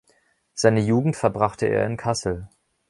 Seine Jugend verbrachte er in Kassel.